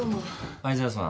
藍沢さん